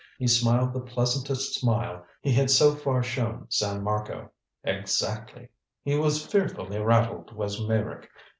He smiled the pleasantest smile he had so far shown San Marco. "Exactly. He was fearfully rattled, was Meyrick.